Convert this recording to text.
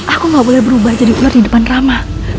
aku gak boleh berubah jadi ular di depan rama